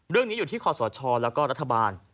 เรื่องนี้อยู่ที่คอสชแล้วก็รัฐบาล